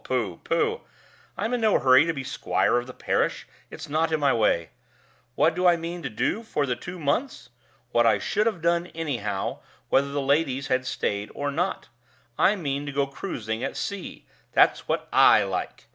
Oh, pooh! pooh! I'm in no hurry to be squire of the parish; it's not in my way. What do I mean to do for the two months? What I should have done anyhow, whether the ladies had stayed or not; I mean to go cruising at sea. That's what I like!